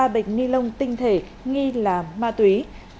ba bịch ni lông tinh thể nghi là ma túy